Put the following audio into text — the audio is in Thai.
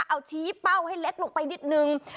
เอาชี้เป้าให้เล็กลงไปนิดนึง